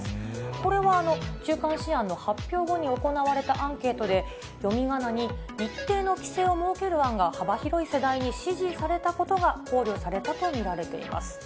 これは、中間試案の発表後に行われたアンケートで、読みがなに一定の規制を設ける案が幅広い世代に支持されたことが考慮されたと見られています。